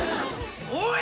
おい！